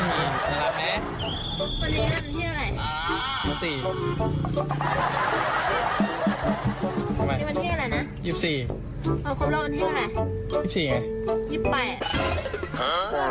ไม่ใช่๒๔อ่ะ